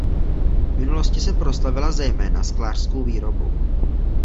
V minulosti se proslavila zejména sklářskou výrobou.